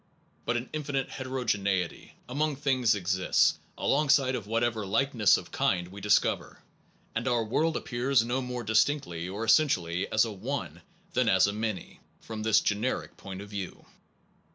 But an infinite heterogeneity among things exists alongside of whatever likeness of kind we discover; and our world appears no more distinctly or essentially as a One than as a Many, from this generic point of view.